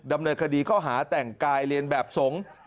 ดำเนินคดีข้อหาแต่งกายเรียนแบบสงฆ์